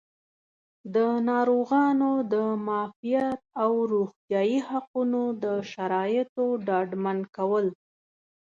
د ناروغانو د معافیت او روغتیایي حقونو د شرایطو ډاډمن کول